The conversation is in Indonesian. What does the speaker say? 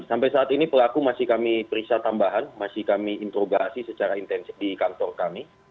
sampai saat ini pelaku masih kami periksa tambahan masih kami introgasi secara intensif di kantor kami